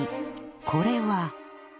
これは